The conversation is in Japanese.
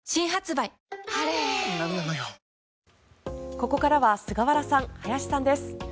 ここからは菅原さん、林さんです。